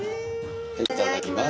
いただきます。